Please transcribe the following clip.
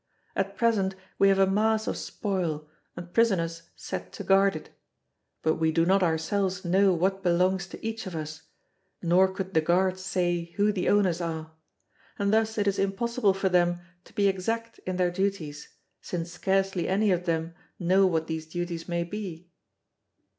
At present we have a mass of spoil, and prisoners set to guard it. But we do not ourselves know what belongs to each of us, nor could the guards say who the owners are: and thus it is impossible for them to be exact in their duties, since scarcely any of them know what these duties may be.